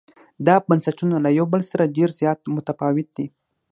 دا بنسټونه له یو بل سره ډېر زیات متفاوت دي.